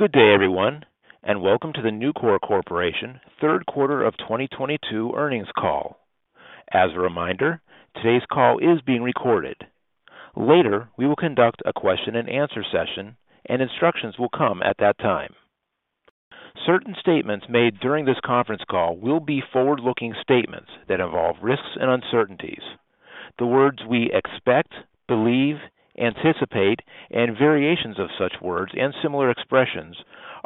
Good day, everyone, and Welcome to the Nucor Corporation third quarter of 2022 earnings call. As a reminder, today's call is being recorded. Later, we will conduct a question-and-answer session, and instructions will come at that time. Certain statements made during this conference call will be forward-looking statements that involve risks and uncertainties. The words we expect, believe, anticipate, and variations of such words, and similar expressions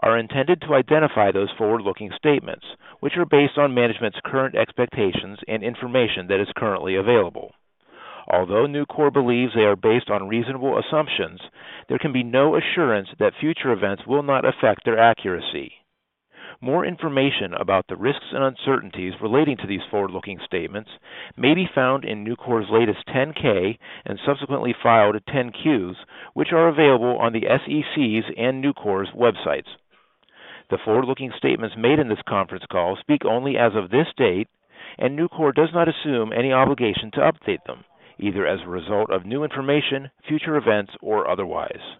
are intended to identify those forward-looking statements, which are based on management's current expectations and information that is currently available. Although Nucor believes they are based on reasonable assumptions, there can be no assurance that future events will not affect their accuracy. More information about the risks and uncertainties relating to these forward-looking statements may be found in Nucor's latest 10-K, and subsequently filed a 10-Q, which are available on the SEC's and Nucor's websites. The forward-looking statements made in this conference call speak only as of this date, and Nucor does not assume any obligation to update them, either as a result of new information, future events, or otherwise.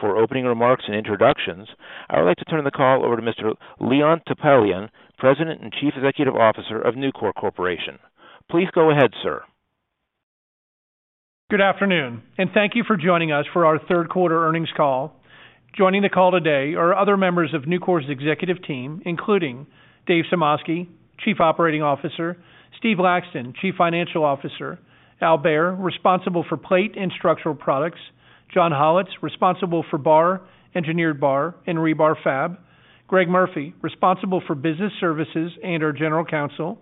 For opening remarks and introductions, I would like to turn the call over to Mr. Leon Topalian, President and Chief Executive Officer of Nucor Corporation. Please go ahead, sir. Good afternoon and thank you for joining us for our third quarter earnings call. Joining the call today are other members of Nucor's executive team, including Dave Sumoski, Chief Operating Officer, Steve Laxton, Chief Financial Officer, Allen Behr, responsible for Plate and Structural Products, John Hollatz, responsible for Bar, Engineered Bar, and Rebar Fab, Greg Murphy, responsible for Business Services and our General Counsel,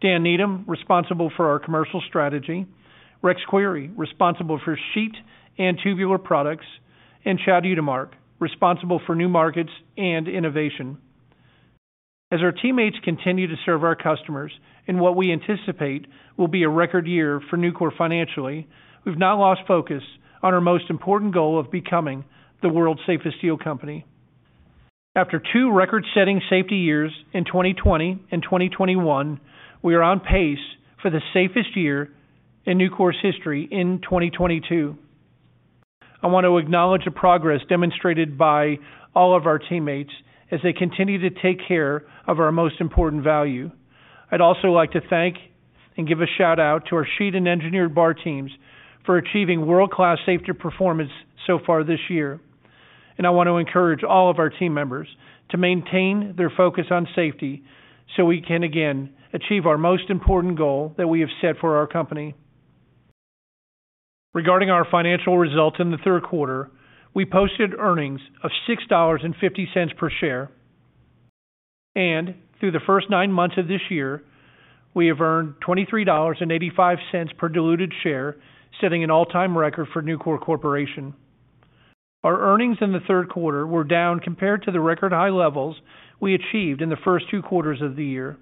Dan Needham, responsible for our commercial strategy, Rex Query, responsible for Sheet and Tubular Products, and Chad Utermark, responsible for New Markets and Innovation. As our teammates continue to serve our customers in what we anticipate will be a record year for Nucor financially, we've not lost focus on our most important goal of becoming the world's safest steel company. After two record-setting safety years in 2020 and 2021, we are on pace for the safest year in Nucor's history in 2022. I want to acknowledge the progress demonstrated by all of our teammates as they continue to take care of our most important value. I'd also like to thank and give a shout-out to our Sheet and Engineered Bar teams for achieving world-class safety performance so far this year. I want to encourage all of our team members to maintain their focus on safety so we can again achieve our most important goal that we have set for our company. Regarding our financial results in the third quarter, we posted earnings of $6.50 per share. Through the first nine months of this year, we have earned $23.85 per diluted share, setting an all-time record for Nucor Corporation. Our earnings in the third quarter were down compared to the record high levels we achieved in the first two quarters of the year.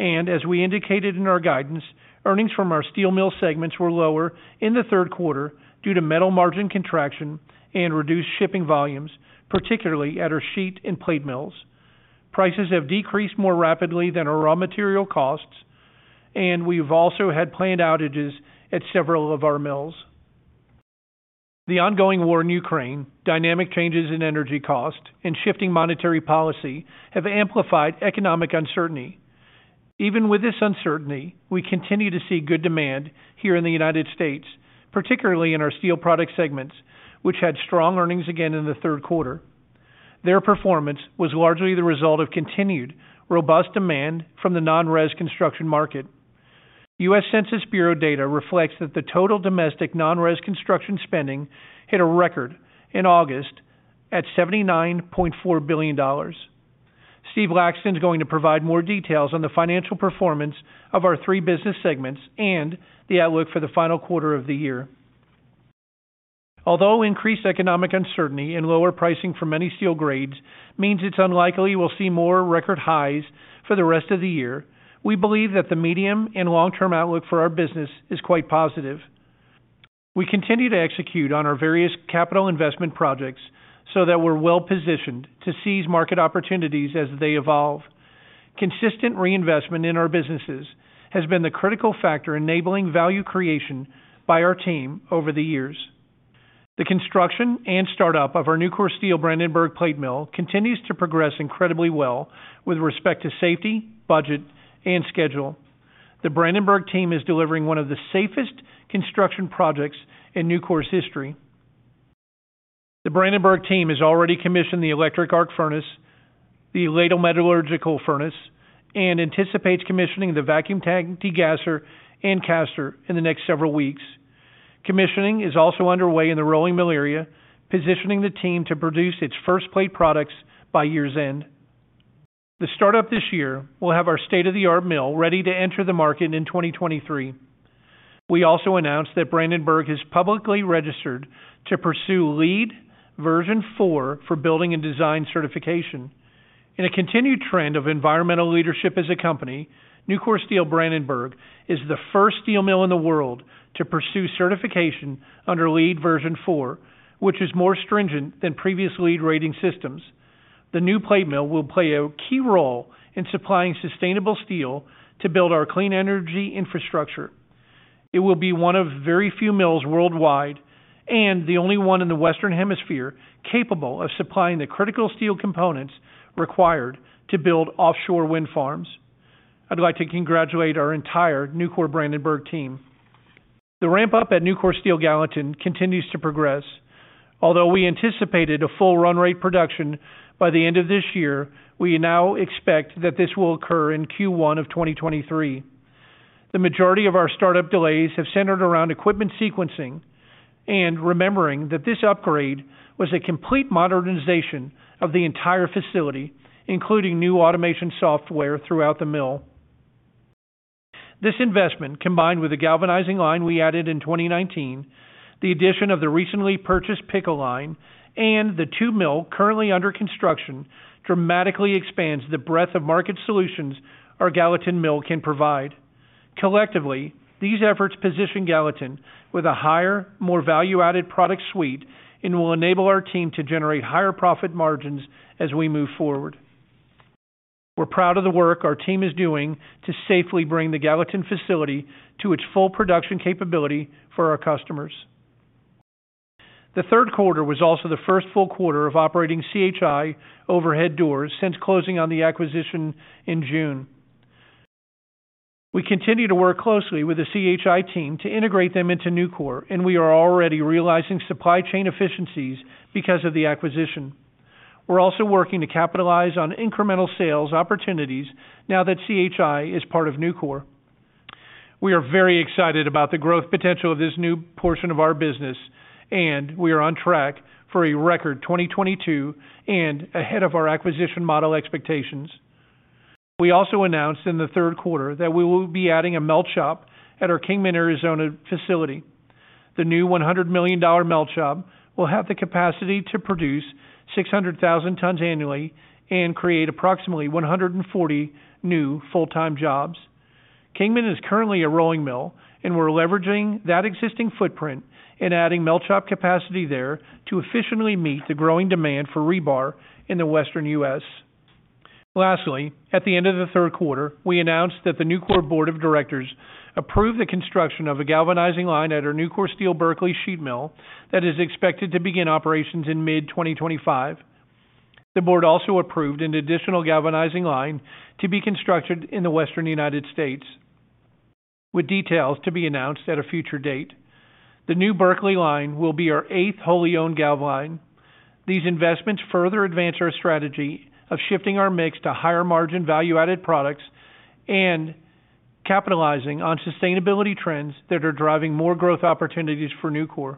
As we indicated in our guidance, earnings from our steel mill segments were lower in the third quarter due to metal margin contraction and reduced shipping volumes, particularly at our sheet and plate mills. Prices have decreased more rapidly than our raw material costs, and we've also had planned outages at several of our mills. The ongoing war in Ukraine, dynamic changes in energy cost, and shifting monetary policy have amplified economic uncertainty. Even with this uncertainty, we continue to see good demand here in the United States, particularly in our steel product segments, which had strong earnings again in the third quarter. Their performance was largely the result of continued robust demand from the non-res construction market. U.S. Census Bureau data reflects that the total domestic non-res construction spending hit a record in August at $79.4 billion. Steve Laxton is going to provide more details on the financial performance of our three business segments and the outlook for the final quarter of the year. Although increased economic uncertainty and lower pricing for many steel grades means it's unlikely we'll see more record highs for the rest of the year, we believe that the medium and long-term outlook for our business is quite positive. We continue to execute on our various capital investment projects so that we're well-positioned to seize market opportunities as they evolve. Consistent reinvestment in our businesses has been the critical factor enabling value creation by our team over the years. The construction and start-up of our Nucor Steel Brandenburg Plate Mill continues to progress incredibly well with respect to safety, budget, and schedule. The Brandenburg team is delivering one of the safest construction projects in Nucor's history. The Brandenburg team has already commissioned the electric arc furnace, the ladle metallurgical furnace, and anticipates commissioning the vacuum tank degasser and caster in the next several weeks. Commissioning is also underway in the rolling mill area, positioning the team to produce its first plate products by year's end. The start-up this year will have our state-of-the-art mill ready to enter the market in 2023. We also announced that Brandenburg is publicly registered to pursue LEED version 4 for building and design certification. In a continued trend of environmental leadership as a company, Nucor Steel Brandenburg is the first steel mill in the world to pursue certification under LEED version 4, which is more stringent than previous LEED rating systems. The new plate mill will play a key role in supplying sustainable steel to build our clean energy infrastructure. It will be one of very few mills worldwide, and the only one in the Western Hemisphere capable of supplying the critical steel components required to build offshore wind farms. I'd like to congratulate our entire Nucor Steel Brandenburg team. The ramp up at Nucor Steel Gallatin continues to progress. Although we anticipated a full run rate production by the end of this year, we now expect that this will occur in Q1 of 2023. The majority of our startup delays have centered around equipment sequencing and remembering that this upgrade was a complete modernization of the entire facility, including new automation software throughout the mill. This investment, combined with the galvanizing line we added in 2019, the addition of the recently purchased pickle line, and the two mills currently under construction, dramatically expands the breadth of market solutions our Gallatin mill can provide. Collectively, these efforts position Gallatin with a higher, more value-added product suite and will enable our team to generate higher profit margins as we move forward. We're proud of the work our team is doing to safely bring the Gallatin facility to its full production capability for our customers. The third quarter was also the first full quarter of operating C.H.I. Overhead Doors since closing on the acquisition in June. We continue to work closely with the C.H.I. team to integrate them into Nucor, and we are already realizing supply chain efficiencies because of the acquisition. We're also working to capitalize on incremental sales opportunities now that C.H.I. is part of Nucor. We are very excited about the growth potential of this new portion of our business, and we are on track for a record 2022 and ahead of our acquisition model expectations. We also announced in the third quarter that we will be adding a melt shop at our Kingman, Arizona facility. The new $100 million melt shop will have the capacity to produce 600,000 tons annually and create approximately 140 new full-time jobs. Kingman is currently a rolling mill, and we're leveraging that existing footprint and adding melt shop capacity there to efficiently meet the growing demand for rebar in the Western U.S. Lastly, at the end of the third quarter, we announced that the Nucor Board of Directors approved the construction of a galvanizing line at our Nucor Steel Berkeley sheet mill that is expected to begin operations in mid-2025. The board also approved an additional galvanizing line to be constructed in the Western United States, with details to be announced at a future date. The new Berkeley line will be our eighth wholly owned galv line. These investments further advance our strategy of shifting our mix to higher-margin, value-added products and capitalizing on sustainability trends that are driving more growth opportunities for Nucor.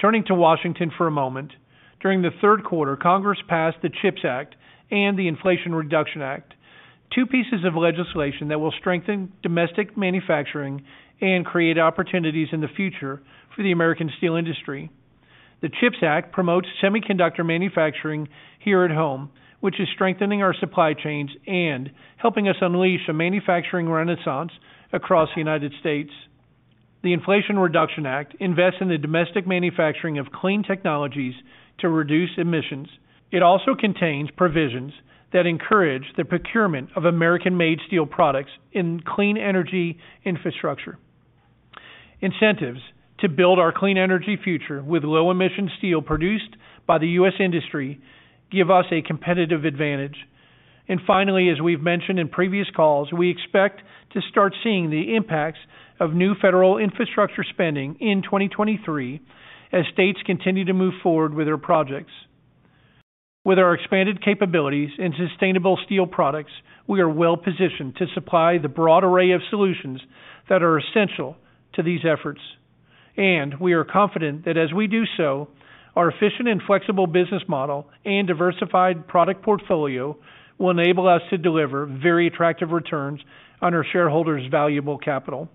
Turning to Washington for a moment, during the third quarter, Congress passed the CHIPS Act and the Inflation Reduction Act, two pieces of legislation that will strengthen domestic manufacturing and create opportunities in the future for the American steel industry. The CHIPS Act promotes semiconductor manufacturing here at home, which is strengthening our supply chains and helping us unleash a manufacturing renaissance across the United States. The Inflation Reduction Act invests in the domestic manufacturing of clean technologies to reduce emissions. It also contains provisions that encourage the procurement of American-made steel products in clean energy infrastructure. Incentives to build our clean energy future with low-emission steel produced by the US industry give us a competitive advantage. Finally, as we've mentioned in previous calls, we expect to start seeing the impacts of new federal infrastructure spending in 2023 as states continue to move forward with their projects. With our expanded capabilities and sustainable steel products, we are well-positioned to supply the broad array of solutions that are essential to these efforts. We are confident that as we do so, our efficient and flexible business model and diversified product portfolio will enable us to deliver very attractive returns on our shareholders' valuable capital.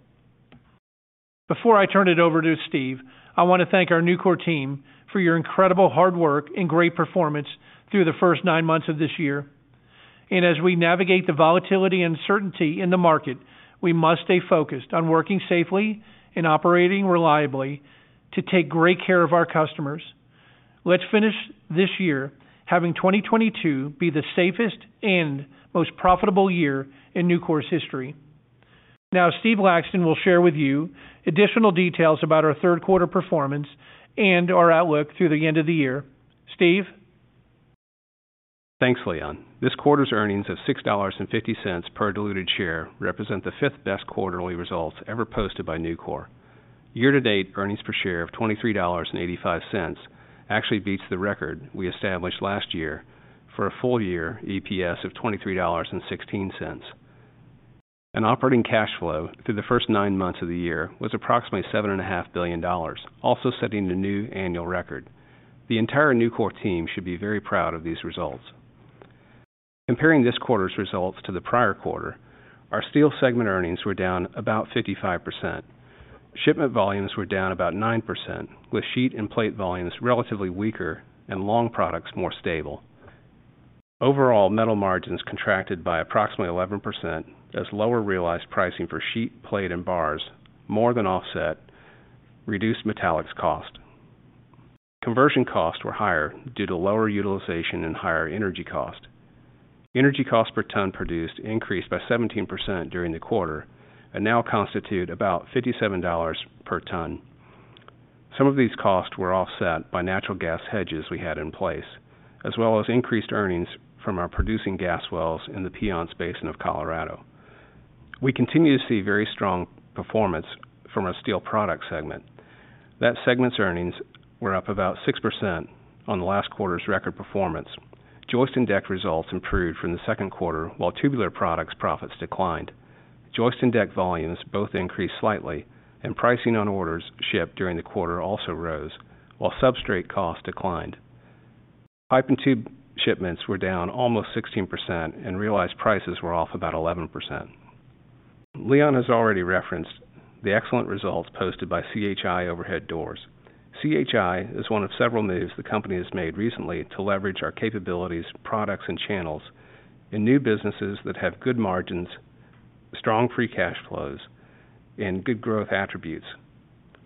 Before I turn it over to Steve, I want to thank our Nucor team for your incredible hard work and great performance through the first nine months of this year. As we navigate the volatility and uncertainty in the market, we must stay focused on working safely and operating reliably to take great care of our customers. Let's finish this year having 2022 be the safest and most profitable year in Nucor's history. Now, Steve Laxton will share with you additional details about our third quarter performance and our outlook through the end of the year. Steve? Thanks, Leon. This quarter's earnings of $6.50 per diluted share represent the fifth-best quarterly results ever posted by Nucor. Year-to-date earnings per share of $23.85 actually beats the record we established last year for a full-year EPS of $23.16. Operating cash flow through the first nine months of the year was approximately $7.5 billion, also setting a new annual record. The entire Nucor team should be very proud of these results. Comparing this quarter's results to the prior quarter, our steel segment earnings were down about 55%. Shipment volumes were down about 9%, with sheet and plate volumes relatively weaker and long products more stable. Overall, metal margins contracted by approximately 11% as lower realized pricing for sheet, plate, and bars more than offset reduced metallics cost. Conversion costs were higher due to lower utilization and higher energy cost. Energy cost per ton produced increased by 17% during the quarter and now constitute about $57 per ton. Some of these costs were offset by natural gas hedges we had in place, as well as increased earnings from our producing gas wells in the Piceance Basin of Colorado. We continue to see very strong performance from our steel product segment. That segment's earnings were up about 6% on the last quarter's record performance. Joist and deck results improved from the second quarter, while tubular products profits declined. Joist and deck volumes both increased slightly, and pricing on orders shipped during the quarter also rose, while substrate costs declined. Pipe and tube shipments were down almost 16% and realized prices were off about 11%. Leon has already referenced the excellent results posted by C.H.I. Overhead Doors. C.H.I. is one of several moves the company has made recently to leverage our capabilities, products, and channels in new businesses that have good margins, strong free cash flows, and good growth attributes.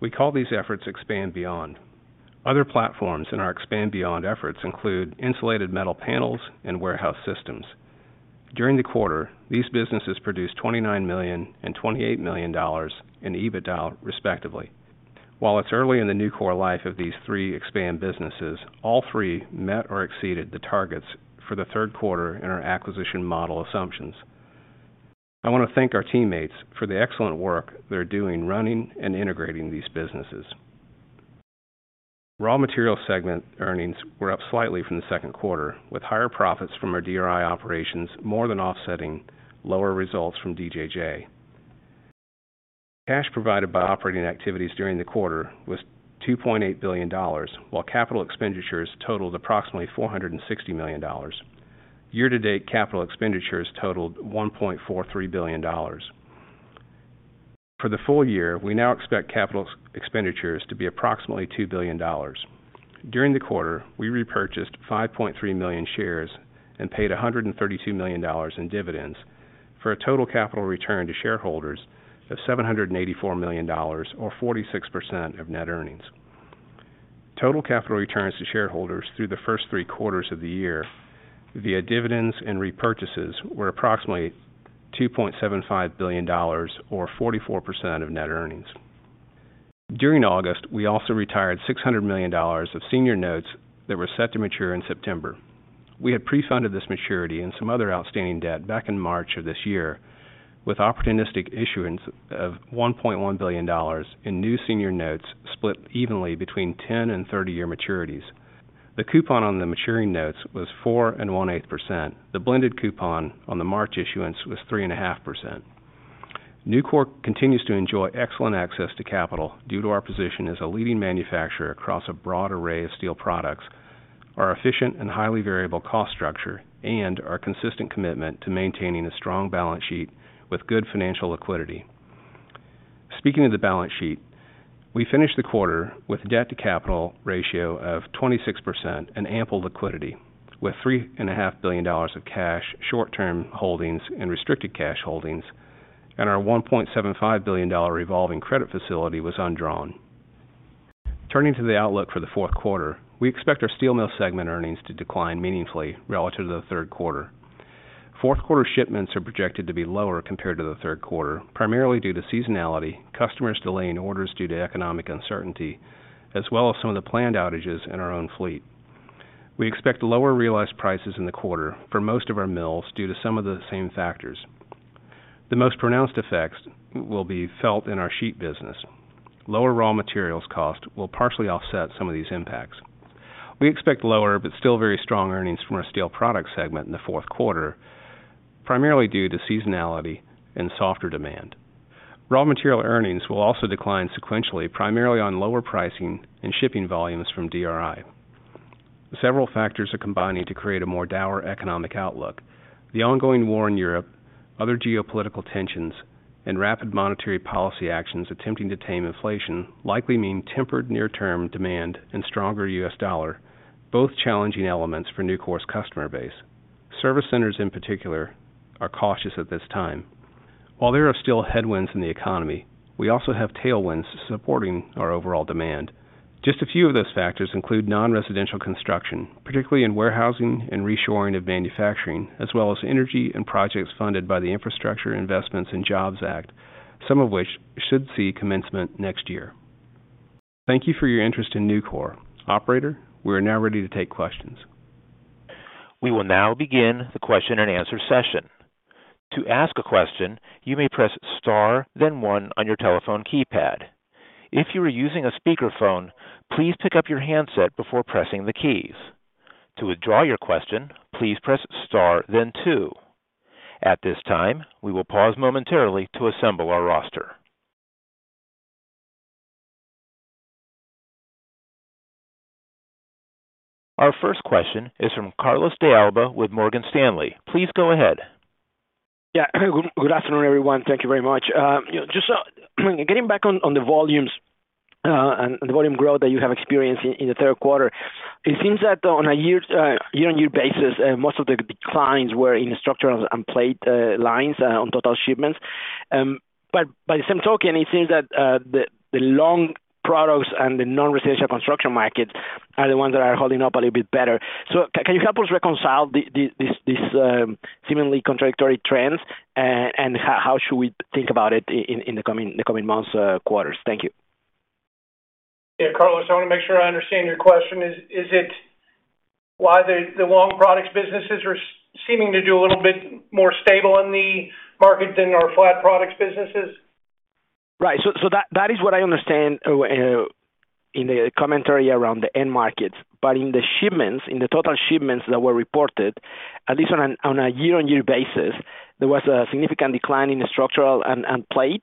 We call these efforts Expand Beyond. Other platforms in our Expand Beyond efforts include insulated metal panels and warehouse systems. During the quarter, these businesses produced $29 million and $28 million in EBITDA, respectively. While it's early in the Nucor life of these three Expand businesses, all three met or exceeded the targets for the third quarter in our acquisition model assumptions. I wanna thank our teammates for the excellent work they're doing running and integrating these businesses. Raw material segment earnings were up slightly from the second quarter, with higher profits from our DRI operations more than offsetting lower results from DJJ. Cash provided by operating activities during the quarter was $2.8 billion, while capital expenditures totaled approximately $460 million year-to-date capital expenditures totaled $1.43 billion. For the full year, we now expect capital expenditures to be approximately $2 billion. During the quarter, we repurchased 5.3 million shares and paid $132 million in dividends for a total capital return to shareholders of $784 million or 46% of net earnings. Total capital returns to shareholders through the first three quarters of the year via dividends and repurchases were approximately $2.75 billion or 44% of net earnings. During August, we also retired $600 million of senior notes that were set to mature in September. We had pre-funded this maturity and some other outstanding debt back in March of this year with opportunistic issuance of $1.1 billion in new senior notes split evenly between 10 and 30-year maturities. The coupon on the maturing notes was 4.18%. The blended coupon on the March issuance was 3.5%. Nucor continues to enjoy excellent access to capital due to our position as a leading manufacturer across a broad array of steel products, our efficient and highly variable cost structure, and our consistent commitment to maintaining a strong balance sheet with good financial liquidity. Speaking of the balance sheet, we finished the quarter with debt to capital ratio of 26% and ample liquidity, with three and a half billion dollars of cash, short-term holdings and restricted cash holdings, and our $1.75 billion revolving credit facility was undrawn. Turning to the outlook for the fourth quarter, we expect our steel mill segment earnings to decline meaningfully relative to the third quarter. Fourth quarter shipments are projected to be lower compared to the third quarter, primarily due to seasonality, customers delaying orders due to economic uncertainty, as well as some of the planned outages in our own fleet. We expect lower realized prices in the quarter for most of our mills due to some of the same factors. The most pronounced effects will be felt in our sheet business. Lower raw materials cost will partially offset some of these impacts. We expect lower but still very strong earnings from our steel product segment in the fourth quarter, primarily due to seasonality and softer demand. Raw material earnings will also decline sequentially, primarily on lower pricing and shipping volumes from DRI. Several factors are combining to create a more dour economic outlook. The ongoing war in Europe, other geopolitical tensions, and rapid monetary policy actions attempting to tame inflation likely mean tempered near-term demand and stronger U.S. dollar, both challenging elements for Nucor's customer base. Service centers in particular are cautious at this time. While there are still headwinds in the economy, we also have tailwinds supporting our overall demand. Just a few of those factors include non-residential construction, particularly in warehousing and reshoring of manufacturing, as well as energy and projects funded by the Infrastructure Investment and Jobs Act, some of which should see commencement next year. Thank you for your interest in Nucor. Operator, we are now ready to take questions. We will now begin the question-and-answer session. To ask a question, you may press star then one on your telephone keypad. If you are using a speakerphone, please pick up your handset before pressing the keys. To withdraw your question, please press star then two. At this time, we will pause momentarily to assemble our roster. Our first question is from Carlos de Alba with Morgan Stanley. Please go ahead. Yeah. Good afternoon, everyone. Thank you very much. You know, just getting back on the volumes and the volume growth that you have experienced in the third quarter, it seems that on a year-on-year basis, most of the declines were in structural and plate lines on total shipments. By the same token, it seems that the long products and the non-residential construction markets are the ones that are holding up a little bit better. Can you help us reconcile this seemingly contradictory trends, and how should we think about it in the coming months, quarters? Thank you. Yeah. Carlos, I wanna make sure I understand your question. Is it why the long products businesses are seeming to do a little bit more stable in the market than our flat products businesses? Right. That is what I understand in the commentary around the end markets. In the shipments, in the total shipments that were reported, at least on a year-on-year basis, there was a significant decline in the structural and plate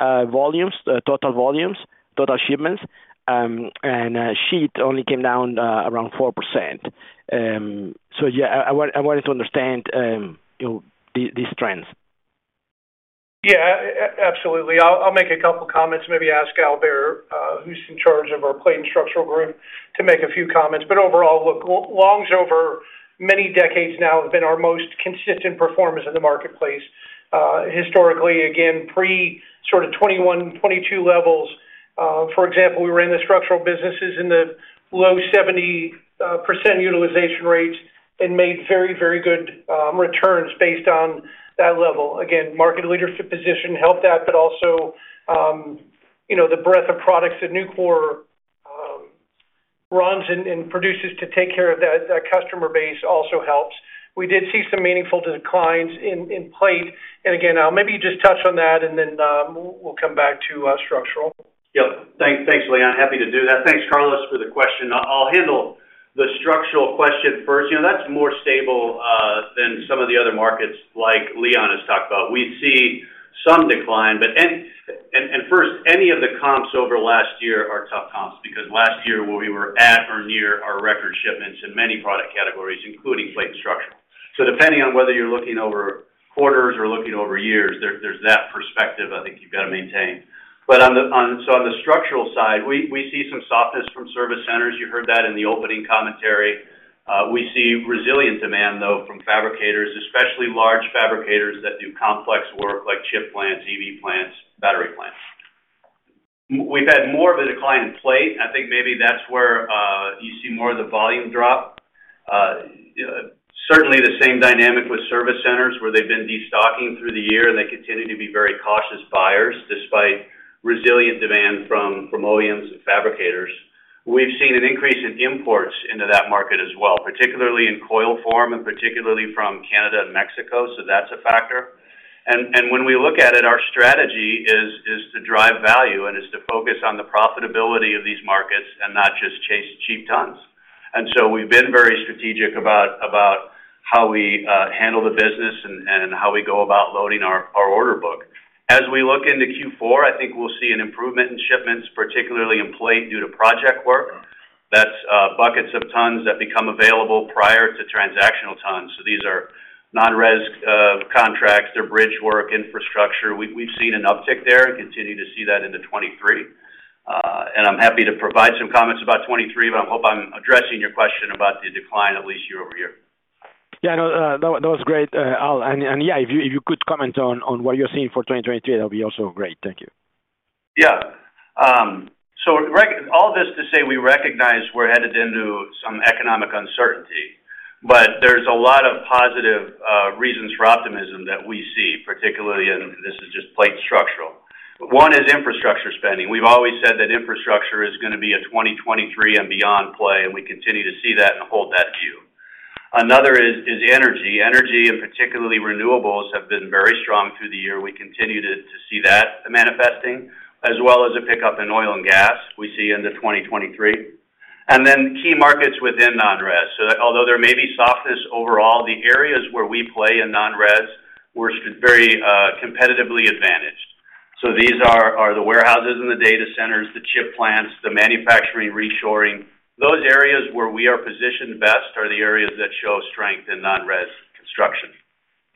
volumes total volumes, total shipments. Sheet only came down around 4%. Yeah, I wanted to understand, you know, these trends. Yeah. Absolutely. I'll make a couple comments, maybe ask Allen, who's in charge of our plate and structural group, to make a few comments. Overall, look, longs over many decades now have been our most consistent performers in the marketplace. Historically, again, pre sort of 2021, 2022 levels, for example, we were in the structural businesses in the low 70% utilization rates and made very, very good returns based on that level. Again, market leadership position helped that, but also, you know, the breadth of products that Nucor runs and produces to take care of that customer base also helps. We did see some meaningful declines in plate. Again, Allen, maybe you just touch on that, and then, we'll come back to structural. Yep. Thanks, Leon. Happy to do that. Thanks, Carlos, for the question. I'll handle the structural question first. You know, that's more stable than some of the other markets like Leon has talked about. We see some decline, but first, any of the comps over last year are tough comps because last year we were at or near our record shipments in many product categories, including plate and structural. So depending on whether you're looking over quarters or looking over years, there's that perspective I think you've got to maintain. But so on the structural side, we see some softness from service centers. You heard that in the opening commentary. We see resilient demand, though, from fabricators, especially large fabricators that do complex work like chip plants, EV plants, battery plants. We've had more of a decline in plate, and I think maybe that's where you see more of the volume drop. Certainly, the same dynamic with service centers, where they've been destocking through the year, and they continue to be very cautious buyers, despite resilient demand from OEMs and fabricators. We've seen an increase in imports into that market as well, particularly in coil form and particularly from Canada and Mexico, so that's a factor. When we look at it, our strategy is to drive value and is to focus on the profitability of these markets and not just chase cheap tons. We've been very strategic about how we handle the business and how we go about loading our order book. As we look into Q4, I think we'll see an improvement in shipments, particularly in plate due to project work. That's buckets of tons that become available prior to transactional tons. These are non-res contracts. They're bridge work, infrastructure. We've seen an uptick there and continue to see that into 2023. I'm happy to provide some comments about 2023, but I hope I'm addressing your question about the decline at least year-over-year. Yeah. No, that was great, Allen. Yeah, if you could comment on what you're seeing for 2023, that'll be also great. Thank you. Yeah. All this to say we recognize we're headed into some economic uncertainty, but there's a lot of positive reasons for optimism that we see, particularly, and this is just plate and structural. One is infrastructure spending. We've always said that infrastructure is gonna be a 2023 and beyond play, and we continue to see that and hold that view. Another is energy. Energy, and particularly renewables, have been very strong through the year. We continue to see that manifesting, as well as a pickup in oil and gas we see into 2023. Then key markets within non-res. So, although there may be softness overall, the areas where we play in non-res, we're very competitively advantaged. So, these are the warehouses and the data centers, the chip plants, the manufacturing reshoring. Those areas where we are positioned best are the areas that show strength in non-res construction.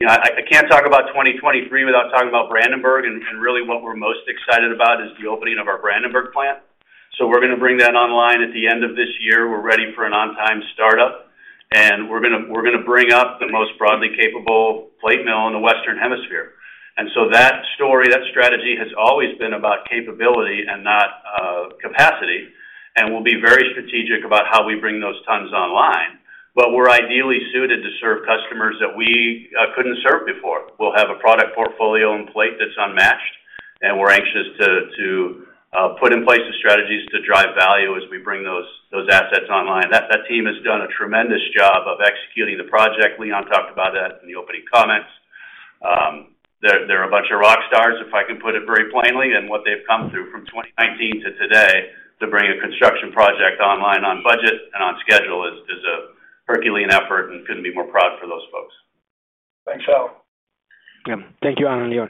I can't talk about 2023 without talking about Brandenburg, and really what we're most excited about is the opening of our Brandenburg plant. We're gonna bring that online at the end of this year. We're ready for an on-time startup, and we're gonna bring up the most broadly capable plate mill in the Western Hemisphere. That story, that strategy has always been about capability and not capacity. We'll be very strategic about how we bring those tons online. We're ideally suited to serve customers that we couldn't serve before. We'll have a product portfolio in plate that's unmatched, and we're anxious to put in place the strategies to drive value as we bring those assets online. That team has done a tremendous job of executing the project. Leon talked about that in the opening comments. They're a bunch of rock stars, if I can put it very plainly, and what they've come through from 2019 to today to bring a construction project online on budget and on schedule is a Herculean effort and couldn't be more proud for those folks. Thanks, Al. Yeah. Thank you, Allen and Leon.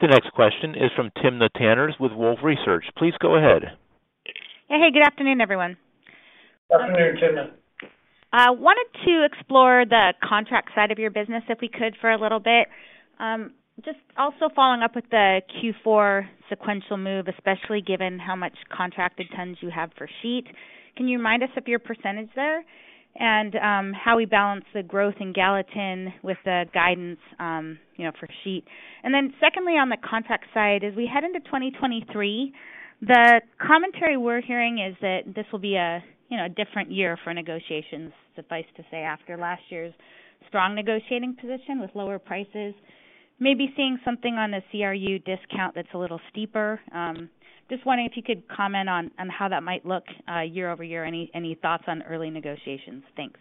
The next question is from Timna Tanners with Wolfe Research. Please go ahead. Hey, good afternoon, everyone. Good afternoon, Timna. Wanted to explore the contract side of your business, if we could, for a little bit. Just also following up with the Q4 sequential move, especially given how much contracted tons you have for sheet. Can you remind us of your percentage there? How we balance the growth in Gallatin with the guidance, you know for sheet. Secondly, on the contract side as we head into 2023, the commentary we're hearing is that this will be a, you know, a different year for negotiations, suffice to say, after last year's strong negotiating position with lower prices. Maybe seeing something on the CRU discount that's a little steeper. Just wondering if you could comment on how that might look year-over-year. Any thoughts on early negotiations? Thanks.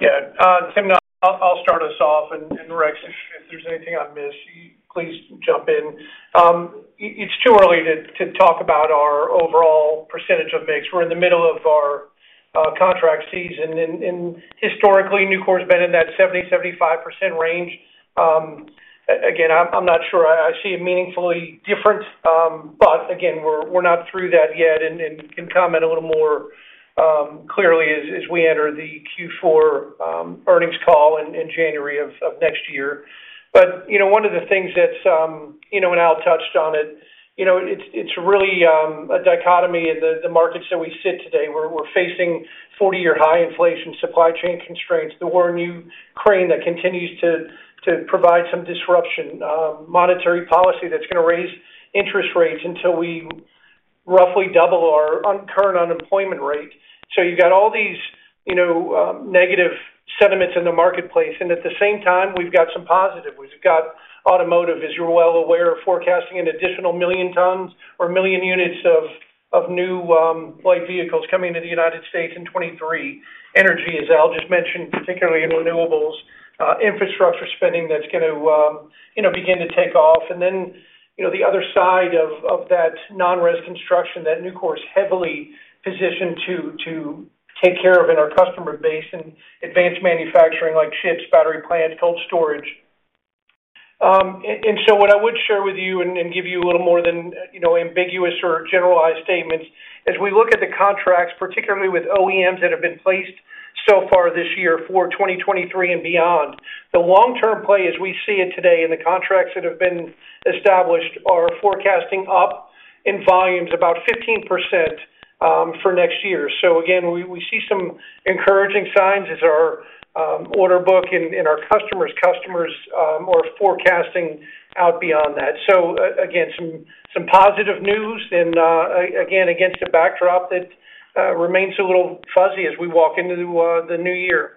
Yeah. Timna, I'll start us off, and Rex, if there's anything I missed please jump in. It's too early to talk about our overall percentage of mix. We're in the middle of our contract season. Historically, Nucor has been in that 70%-75% range. Again, I'm not sure I see it meaningfully different. But again, we're not through that yet, and can comment a little more clearly as we enter the Q4 earnings call in January of next year. You know, one of the things that's, you know, and Al touched on it, you know, it's really a dichotomy in the markets that we sit today, where we're facing 40-year high inflation, supply chain constraints, the war in Ukraine that continues to provide some disruption, monetary policy that's gonna raise interest rates until we roughly double our current unemployment rate. You've got all these, you know, negative sentiments in the marketplace. At the same time, we've got some positive. We've got automotive, as you're well aware, forecasting an additional 1 million tons or 1 million units of new light vehicles coming to the United States in 2023. Energy, as Al just mentioned, particularly in renewables. Infrastructure spending that's gonna, you know, begin to take off. You know, the other side of that non-res construction that Nucor is heavily positioned to take care of in our customer base in advanced manufacturing, like chips, battery plants, cold storage. What I would share with you and give you a little more than you know, ambiguous or generalized statements, as we look at the contracts, particularly with OEMs that have been placed so far this year for 2023 and beyond, the long-term play as we see it today in the contracts that have been established are forecasting up in volumes about 15% for next year. We see some encouraging signs as our order book and our customers are forecasting out beyond that. Again, some positive news and again, against a backdrop that remains a little fuzzy as we walk into the new year.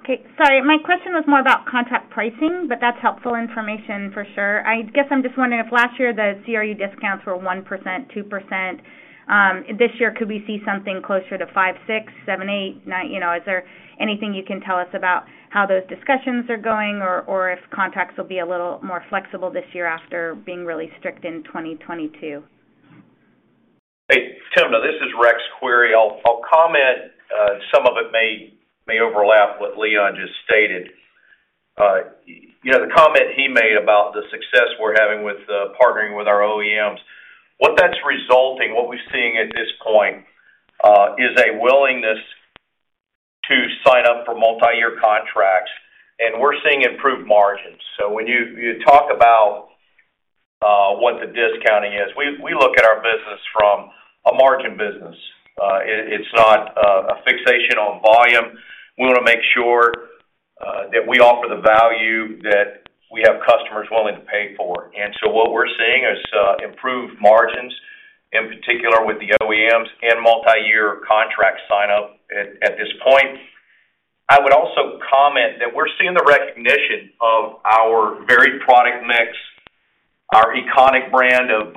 Okay. Sorry, my question was more about contract pricing, but that's helpful information for sure. I guess I'm just wondering if last year the CRU discounts were 1%, 2%. This year, could we see something closer to 5%, 6%, 7%, 8%, 9%? You know, is there anything you can tell us about how those discussions are going or if contracts will be a little more flexible this year after being really strict in 2022? Hey, Timna, this is Rex Query. I'll comment. Some of it may overlap what Leon just stated. You know, the comment he made about the success we're having with partnering with our OEMs, what we're seeing at this point is a willingness to sign up for multi-year contracts, and we're seeing improved margins. When you talk about what the discounting is, we look at our business from a margin business. It's not a fixation on volume. We wanna make sure that we offer the value that we have customers willing to pay for. What we're seeing is improved margins, in particular with the OEMs and multi-year contract sign-up at this point. I would also comment that we're seeing the recognition of our varied product mix, our iconic brand of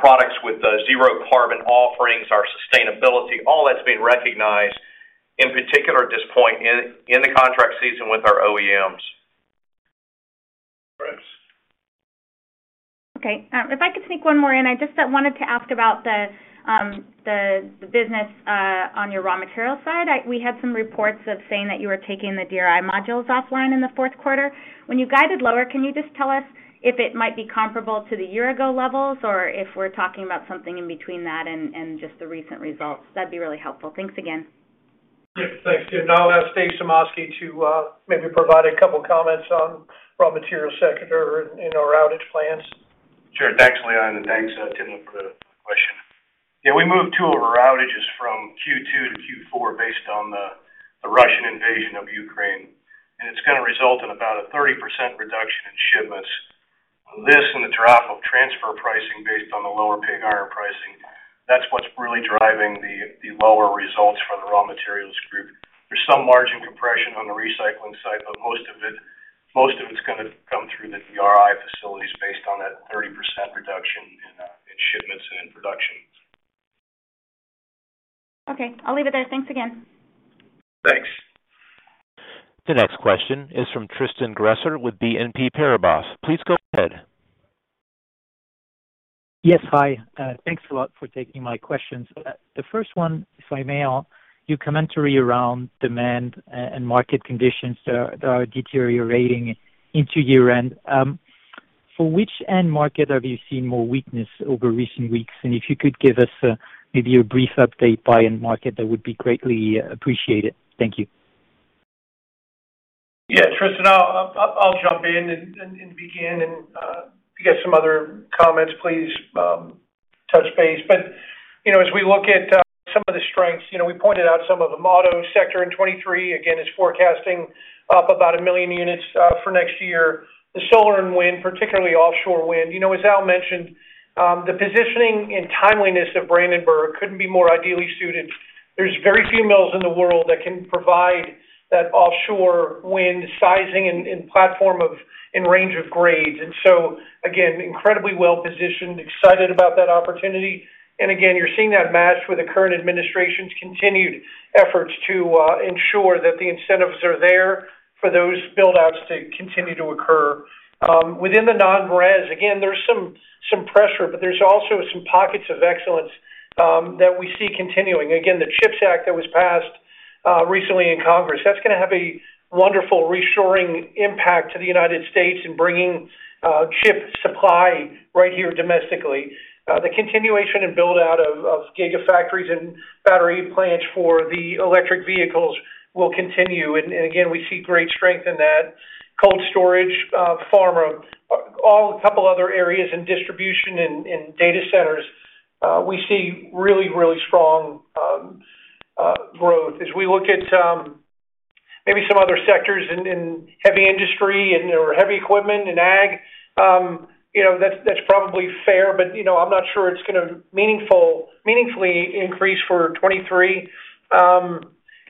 products with zero carbon offerings, our sustainability, all that's being recognized, in particular at this point in the contract season with our OEMs. Rex. Okay. If I could sneak one more in, I just wanted to ask about the business on your raw material side. We had some reports saying that you were taking the DRI modules offline in the fourth quarter. When you guided lower, can you just tell us if it might be comparable to the year ago levels, or if we're talking about something in between that and just the recent results? That'd be really helpful. Thanks again. Yeah. Thanks, Tim. I'll ask Dave Sumoski to maybe provide a couple comments on raw material sector in our outage plans. Sure. Thanks, Leon, and thanks, Timna, for the question. Yeah, we moved two of our outages from Q2 to Q4 based on the Russian invasion of Ukraine, and it's gonna result in about a 30% reduction in shipments. This and the drop of transfer pricing based on the lower pig iron pricing, that's what's really driving the lower results for the raw materials group. There's some margin compression on the recycling side, but most of its gonna come through the DRI facilities based on that 30% reduction in shipments and in production. Okay. I'll leave it there. Thanks again. Thanks. The next question is from Tristan Gresser with BNP Paribas. Please go ahead. Yes. Hi. Thanks a lot for taking my questions. The first one, if I may, on your commentary around demand and market conditions that are deteriorating into year-end. For which end market have you seen more weakness over recent weeks? If you could give us maybe a brief update by end market, that would be greatly appreciated. Thank you. Yeah. Tristan, I'll jump in and begin, if you got some other comments, please, touch base. You know, as we look at some of the strengths, you know, we pointed out some of them. Auto sector in 2023, again, is forecasting up about 1 million units for next year. The solar and wind, particularly offshore wind. You know, as Al mentioned, the positioning and timeliness of Brandenburg couldn't be more ideally suited. There're very few mills in the world that can provide that offshore wind sizing and platform and range of grades. So, again, incredibly well-positioned, excited about that opportunity. Again, you're seeing that matched with the current administration's continued efforts to ensure that the incentives are there for those buildouts to continue to occur. Within the non-res, again, there's some pressure, but there's also some pockets of excellence that we see continuing. Again, the CHIPS Act that was passed recently in Congress, that's gonna have a wonderful reshoring impact to the United States in bringing chip supply right here domestically. The continuation and build-out of gigafactories and battery plants for the electric vehicles will continue. Again, we see great strength in that. Cold storage, pharma, a couple other areas in distribution and data centers, we see really strong growth. As we look at maybe some other sectors in heavy industry and/or heavy equipment and ag, you know, that's probably fair but you know, I'm not sure it's gonna meaningfully increase for 2023.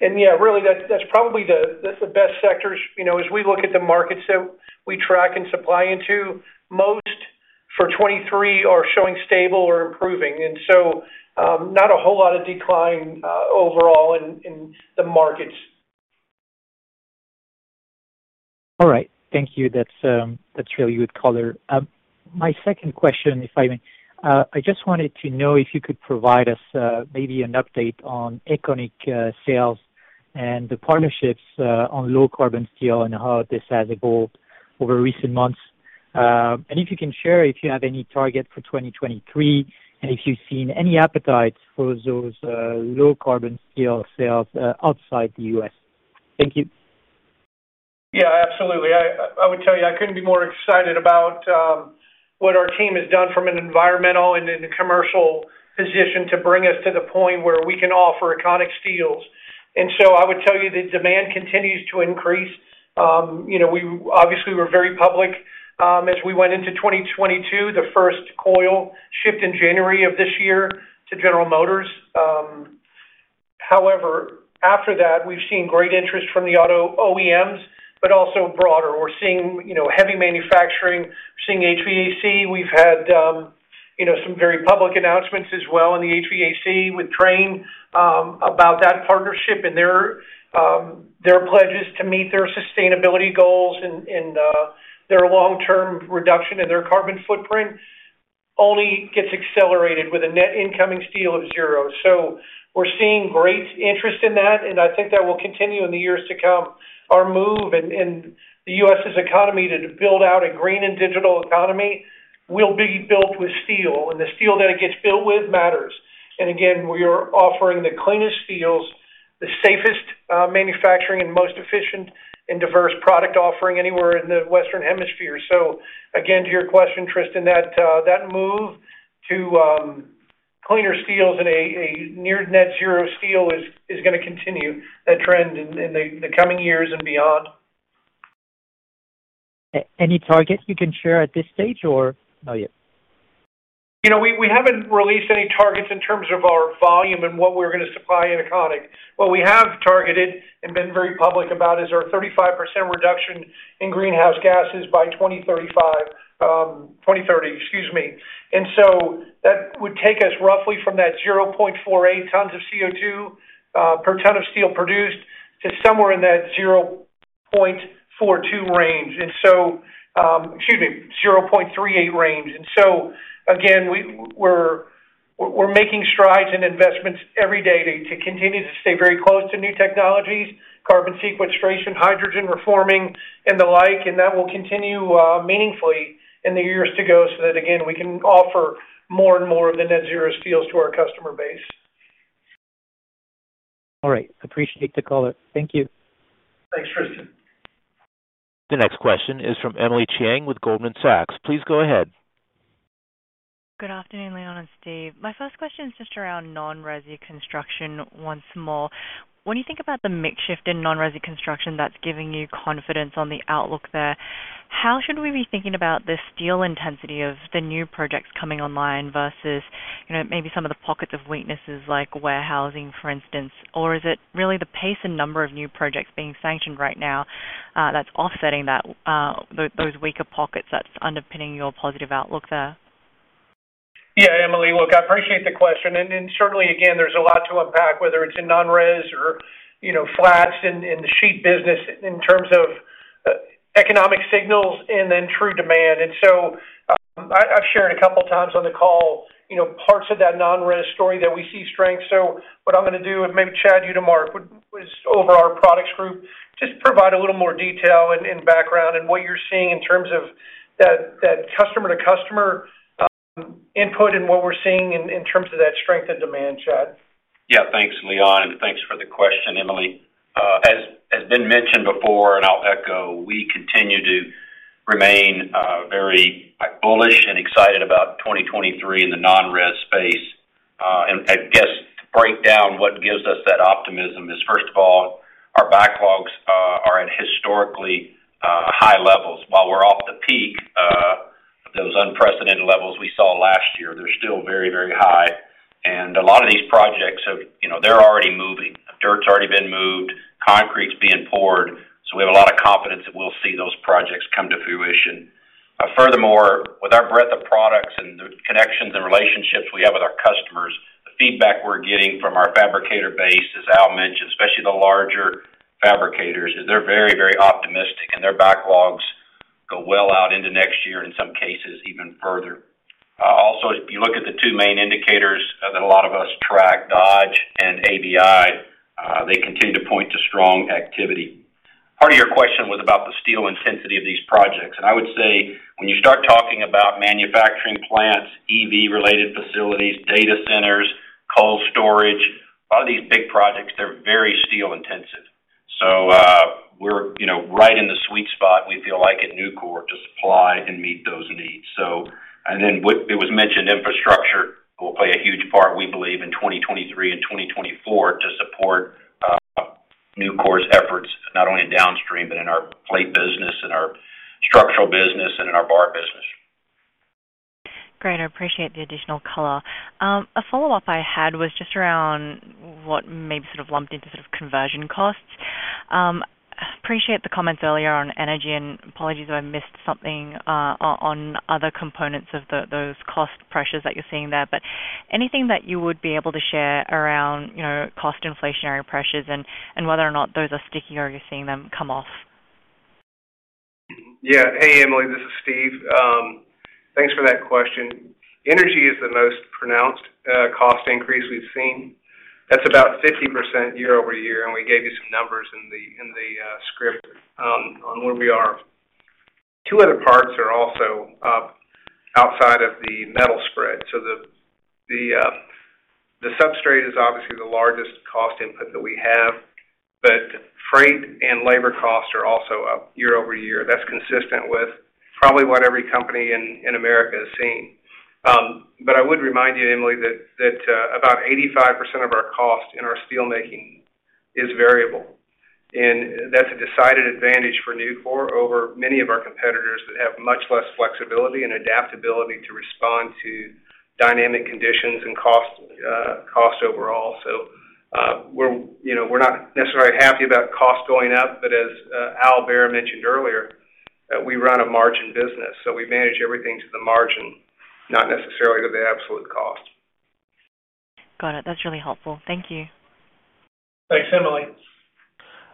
Yeah, really, that's probably the best sectors. You know, as we look at the markets that we track and supply into, most for 2023 are showing stable or improving. Not a whole lot of decline overall in the markets. All right. Thank you. That's really good color. My second question, if I may. I just wanted to know if you could provide us, maybe an update on Econiq sales and the partnerships on low-carbon steel and how this has evolved over recent months. If you can share if you have any target for 2023 and if you've seen any appetite for those low-carbon steel sales outside the U.S. Thank you. Yeah, absolutely. I would tell you I couldn't be more excited about what our team has done from an environmental and in a commercial position to bring us to the point where we can offer Econiq steels. I would tell you the demand continues to increase. You know, we obviously were very public as we went into 2022, the first coil shipped in January of this year to General Motors. However, after that, we've seen great interest from the auto OEMs, but also broader. We're seeing heavy manufacturing. We're seeing HVAC. We've had, you know, some very public announcements as well in the HVAC with Trane, about that partnership and their pledges to meet their sustainability goals and their long-term reduction in their carbon footprint only gets accelerated with net-zero carbon steel. We're seeing great interest in that, and I think that will continue in the years to come. Our move in the U.S.'s economy to build out a green and digital economy will be built with steel, and the steel that it gets built with matters. again, we are offering the cleanest steels, the safest manufacturing, and most efficient and diverse product offering anywhere in the Western Hemisphere. Again, to your question, Tristan, that move to cleaner steels and a near net zero steel is gonna continue that trend in the coming years and beyond. Any targets you can share at this stage or not yet? You know, we haven't released any targets in terms of our volume and what we're gonna supply in Econiq. What we have targeted and been very public about is our 35% reduction in greenhouse gases by 2035, 2030 excuse me. That would take us roughly from that 0.48 tons of CO2 per ton of steel produced to somewhere in that 0.42 range, 0.38 range. Again, we're making strides in investments every day to continue to stay very close to new technologies, carbon sequestration, hydrogen reforming, and the like, and that will continue meaningfully in the years to go so that, again, we can offer more and more of the net zero steels to our customer base. All right. Appreciate the color. Thank you. Thanks, Tristan. The next question is from Emily Chieng with Goldman Sachs. Please go ahead. Good afternoon, Leon and Steve. My first question is just around non-resi construction once more. When you think about the mix shift in non-resi construction that's giving you confidence on the outlook there, how should we be thinking about the steel intensity of the new projects coming online versus, you know, maybe some of the pockets of weaknesses like warehousing, for instance? Or is it really the pace and number of new projects being sanctioned right now, that's offsetting that, those weaker pockets that's underpinning your positive outlook there? Yeah. Emily, look, I appreciate the question, and certainly, again, there's a lot to unpack, whether it's in non-res or, you know, flats in the sheet business in terms of economic signals and then true demand. I've shared a couple times on the call, you know, parts of that non-res story that we see strength. What I'm gonna do, and maybe Chad Utermark, would just over our products group, just provide a little more detail and background and what you're seeing in terms of that customer-to-customer input and what we're s seeing in terms of that strength and demand, Chad. Yeah. Thanks, Leon, and thanks for the question, Emily. As has been mentioned before, and I'll echo, we continue to remain very bullish and excited about 2023 in the non-res space. I guess to break down what gives us that optimism is, first of all, our backlogs are at historically high levels. While we're off the peak, those unprecedented levels we saw last year, they're still very, very high. A lot of these projects have. You know, they're already moving. Dirt's already been moved. Concrete's being poured. So, we have a lot of confidence that we'll see those projects come to fruition. Furthermore, with our breadth of products and the connections and relationships we have with our customers, the feedback we're getting from our fabricator base, as Al mentioned, especially the larger fabricators, is they're very, very optimistic, and their backlogs go well out into next year, in some cases, even further. Also, if you look at the two main indicators that a lot of us track, Dodge and ABI, they continue to point to strong activity. Part of your question was about the steel intensity of these projects. I would say, when you start talking about manufacturing plants, EV-related facilities, data centers, cold storage, a lot of these big projects, they're very steel-intensive. We're, you know, right in the sweet spot, we feel like at Nucor to supply and meet those needs. It was mentioned infrastructure will play a huge part, we believe in 2023 and 2024 to support Nucor's efforts, not only in downstream, but in our plate business and our structural business and in our bar business. Great. I appreciate the additional color. A follow-up I had was just around what maybe sort of lumped into sort of conversion costs. Appreciate the comments earlier on energy, and apologies if I missed something, on other components of those cost pressures that you're seeing there. Anything that you would be able to share around, you know, cost inflationary pressures and whether or not those are sticky or you're seeing them come off? Yeah. Hey, Emily, this is Steve. Thanks for that question. Energy is the most pronounced cost increase we've seen. That's about 50% year-over-year, and we gave you some numbers in the script on where we are. Two other parts are also up outside of the metal spread. The substrate is obviously the largest cost input that we have, but freight and labor costs are also up year-over-year. That's consistent with probably what every company in America is seeing. I would remind you, Emily, that about 85% of our cost in our steelmaking is variable. That's a decided advantage for Nucor over many of our competitors that have much less flexibility and adaptability to respond to dynamic conditions and cost overall. We're, you know, not necessarily happy about costs going up, but as Allen Behr mentioned earlier, that we run a margin business, so we manage everything to the margin, not necessarily to the absolute cost. Got it. That's really helpful. Thank you. Thanks, Emily.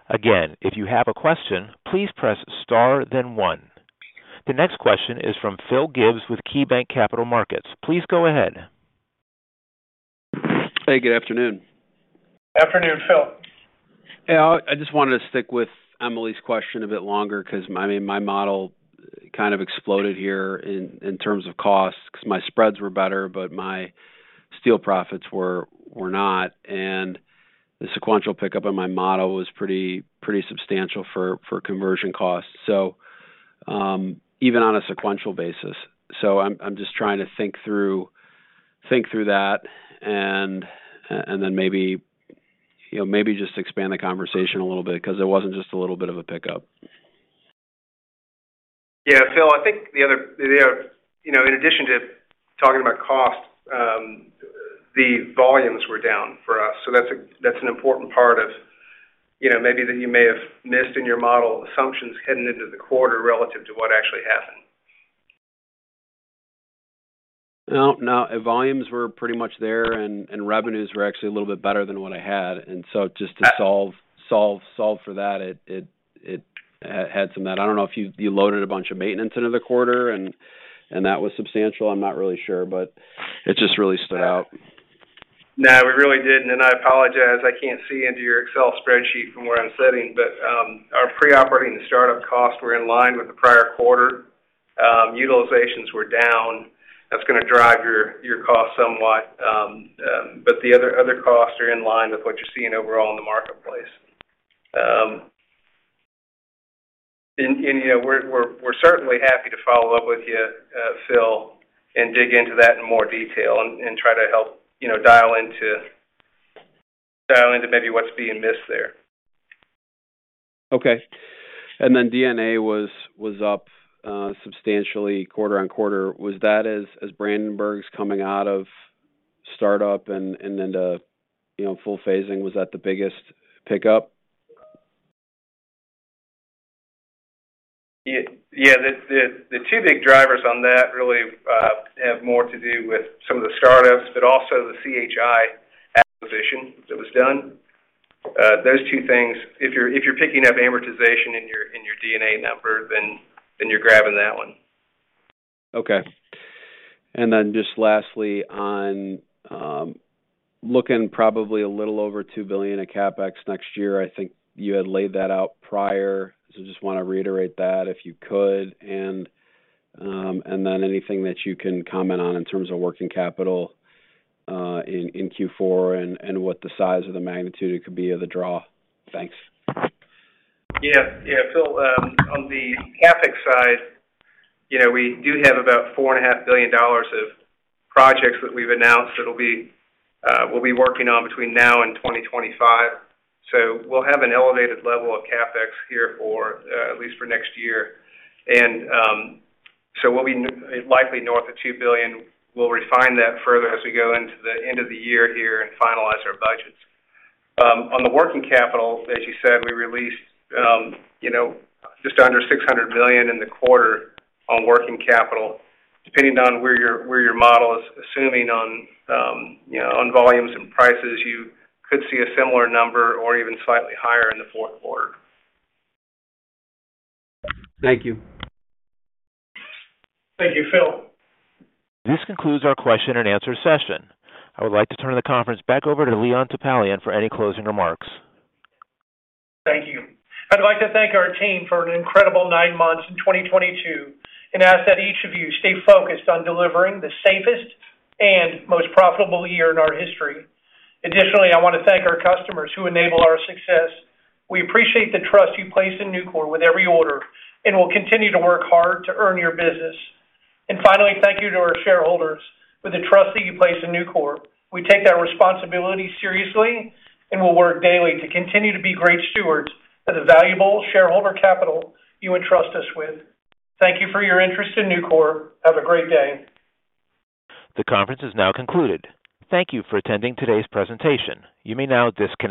Again, if you have a question, please press star then one. The next question is from Philip Gibbs with KeyBanc Capital Markets. Please go ahead. Hey, good afternoon. Afternoon, Phil. Yeah. I just wanted to stick with Emily's question a bit longer because, I mean, my model kind of exploded here in terms of costs because my spreads were better, but my steel profits were not. The sequential pickup in my model was pretty substantial for conversion costs. Even on a sequential basis. I'm just trying to think through that and then maybe, you know, maybe just expand the conversation a little bit because it wasn't just a little bit of a pickup. Yeah. Phil, I think the other, you know, in addition to talking about cost, the volumes were down for us. That's an important part of, you know, maybe that you may have missed in your model assumptions heading into the quarter relative to what actually happened. No, no. Volumes were pretty much there, and revenues were actually a little bit better than what I had. Just to solve for that, it had some that I don't know if you loaded a bunch of maintenance into the quarter and that was substantial. I'm not really sure, but it just really stood out. No, we really didn't. I apologize; I can't see into your Excel spreadsheet from where I'm sitting. Our pre-operating and startup costs were in line with the prior quarter. Utilizations were down. That's gonna drive your cost somewhat. The other costs are in line with what you're seeing overall in the marketplace. You know, we're certainly happy to follow up with you, Phil, and dig into that in more detail and try to help, you know, dial into maybe what's being missed there. Okay. Then D&A was up substantially quarter over-quarter. Was that as Brandenburg's coming out of startup and then the, you know, full phasing, was that the biggest pickup? Yeah. The two big drivers on that really have more to do with some of the startups, but also the C.H.I. acquisition that was done. Those two things, if you're picking up amortization in your D&A number, then you're grabbing that one. Okay. Just lastly, on looking probably a little over $2 billion in CapEx next year, I think you had laid that out prior. Just wanna reiterate that if you could, and then anything that you can comment on in terms of working capital, in Q4 and what the size or the magnitude it could be of the draw. Thanks. Yeah. Phil, on the CapEx side, you know, we do have about $4.5 billion of projects that we've announced that'll be, we'll be working on between now and 2025. We'll have an elevated level of CapEx here for, at least for next year. We'll be likely north of $2 billion. We'll refine that further as we go into the end of the year here and finalize our budgets. On the working capital, as you said, we released, you know, just under $600 million in the quarter on working capital. Depending on where your model is assuming on, you know, on volumes and prices, you could see a similar number or even slightly higher in the fourth quarter. Thank you. Thank you, Phil. This concludes our question and answer session. I would like to turn the conference back over to Leon Topalian for any closing remarks. Thank you. I'd like to thank our team for an incredible nine months in 2022, and ask that each of you stay focused on delivering the safest and most profitable year in our history. Additionally, I wanna thank our customers who enable our success. We appreciate the trust you place in Nucor with every order, and we'll continue to work hard to earn your business. Finally, thank you to our shareholders for the trust that you place in Nucor. We take that responsibility seriously, and we'll work daily to continue to be great stewards of the valuable shareholder capital you entrust us with. Thank you for your interest in Nucor. Have a great day. The conference is now concluded. Thank you for attending today's presentation. You may now disconnect.